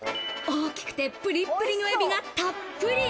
大きくてプリプリの海老がたっぷり。